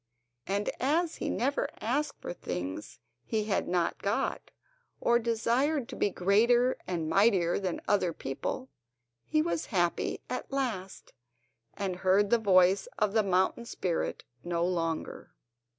And as he never asked for things he had not got, or desired to be greater and mightier than other people, he was happy at last, and heard the voice of the mountain spirit no longer.